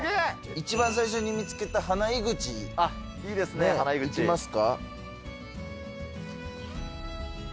一番最初に見つけたハナイグいきますか。